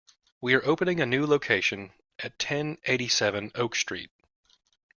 We are opening a new location at ten eighty-seven Oak Street.